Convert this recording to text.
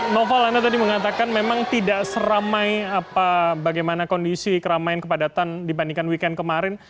noval anda tadi mengatakan memang tidak seramai bagaimana kondisi keramaian kepadatan dibandingkan weekend kemarin